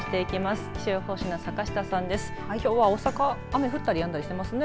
きょうは大阪雨降ったりやんだりしてますね。